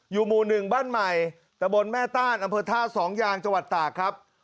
อยู่หมู่๑บ้านใหม่ตะบนแม่ต้านอำเภอท่าสองยางจังหวัดตากครับ